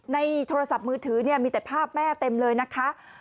โทรศัพท์มือถือเนี่ยมีแต่ภาพแม่เต็มเลยนะคะ